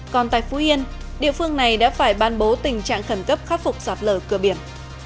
còn tại phú yên địa phương này đã phải ban bố tình trạng khẩn cấp khắc phục sạt lở cửa biển